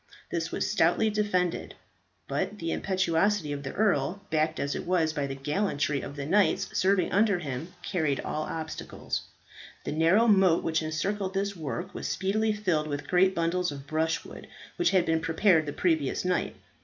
This was stoutly defended. But the impetuosity of the earl, backed as it was by the gallantry of the knights serving under him, carried all obstacles. The narrow moat which encircled this work was speedily filled with great bundles of brushwood, which had been prepared the previous night.